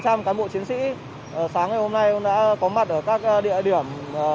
một trăm linh cán bộ chiến sĩ sáng ngày hôm nay cũng đã có mặt ở các địa điểm